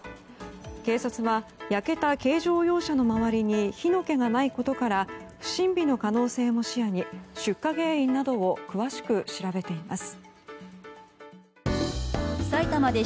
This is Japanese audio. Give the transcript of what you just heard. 警察は焼けた軽乗用車の周りに火の気がないことから不審火の可能性も視野に出火原因などを詳しく調べています。